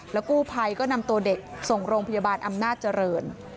กู้ภัยก็นำตัวเด็กส่งโรงพยาบาลอำนาจเจริญ